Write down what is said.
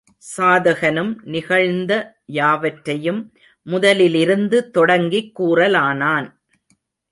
சாதகனும் நிகழ்ந்த யாவற்றையும் முதலிலிருந்து தொடங்கிக் கூறலானான்.